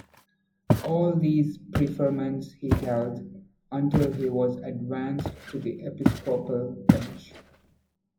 All these preferments he held until he was advanced to the episcopal bench.